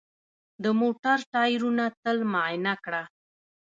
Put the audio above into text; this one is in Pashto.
د موټر ټایرونه تل معاینه کړه.